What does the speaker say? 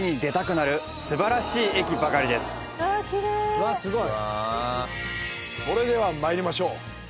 うわー、すごい！